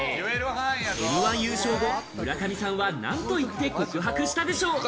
Ｍ−１優勝後、村上さんは何と言って告白したでしょうか？